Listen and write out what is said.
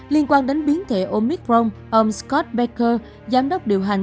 liên quan đến biến thể omicron ông scott becker giám đốc điều hành